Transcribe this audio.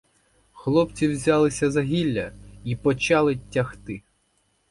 Хлопці взялися за гілля й почали тягти.